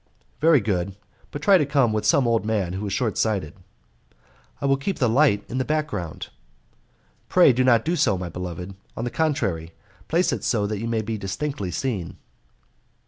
"Very good, but try to come with some old nun who is short sighted." "I will keep the light in the background." "Pray do not do so, my beloved; on the contrary, place it so that you may be distinctly seen."